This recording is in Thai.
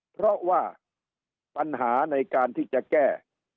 เพราะว่าปัญหาในการที่จะแก้